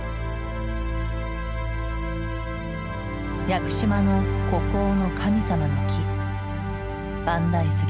屋久島の孤高の神様の木万代杉。